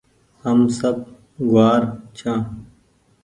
هم سب گوآر ڇآن